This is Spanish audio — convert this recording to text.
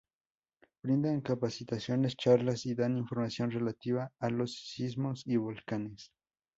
Brindan capacitaciones, charlas y dan información relativa a los sismos y volcanes.